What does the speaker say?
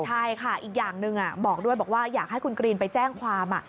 ใช่ค่ะอีกอย่างหนึ่งบอกด้วยบอกว่าอยากให้คุณกรีนไปแจ้งความ